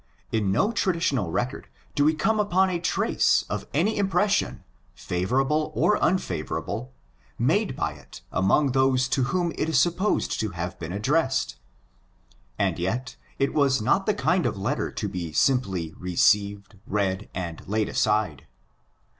In no traditional record do we come upon a trace of any impression, favourable or unfavourable, made by it among those to whom it is supposed to have been addressed. And yet it was not the kind of letter to be simply received, read, and laid aside.